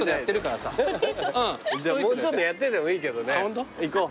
じゃもうちょっとやっててもいいけどね。行こう。